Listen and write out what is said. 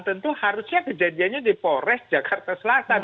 tentu harusnya kejadiannya di polres jakarta selatan